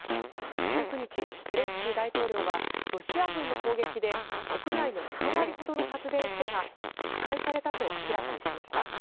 １９日、ゼレンスキー大統領はロシア軍の砲撃で国内の３割ほどの発電所が破壊されたと明らかにしました。